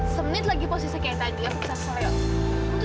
semit lagi posisi kayak tadi